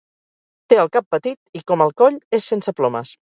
Té el cap petit i, com el coll, és sense plomes.